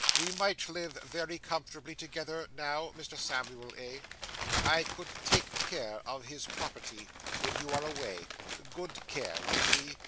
We might live very comfortably together now, Mr. Samuel, eh? I could take care of his property when you are away good care, you see.